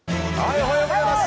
おはようございます。